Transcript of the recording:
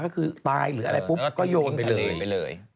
ก็คือตายหรืออะไรปุ๊บก็โยนไปเลย